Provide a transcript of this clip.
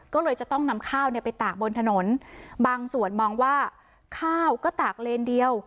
ก็เลยจะต้องนำข้าวเนี่ยไปตากบนถนนบางส่วนมองว่าข้าวก็ตากเลนเดียว